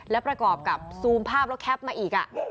และประกอบกับซูมภาพแล้วแคปมาอีก